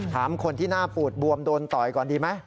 ถามคนที่หน้าปูดบวมโดนต่อยก่อนดีไหม